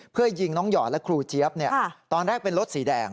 เพื่อยิงน้องหยอดและครูเจี๊ยบตอนแรกเป็นรถสีแดง